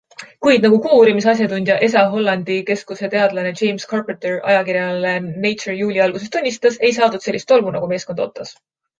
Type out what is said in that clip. Kuid, nagu Kuu-uurimise asjatundja, ESA Hollandi keskuse teadlane James Carpenter ajakirjale Nature juuli algul tunnistas, ei saadud sellist tolmu, nagu meeskond ootas.